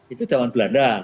itu zaman belanda